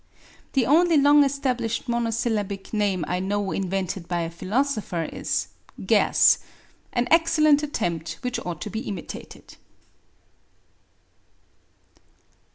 The only long established monosyllabic name I know invented by a philosopher is "gas" an excellent attempt, which ought to be imitated.